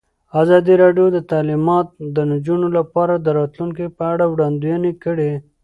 ازادي راډیو د تعلیمات د نجونو لپاره د راتلونکې په اړه وړاندوینې کړې.